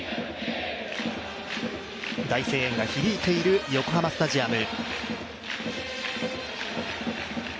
大声援が響いている横浜スタジアム。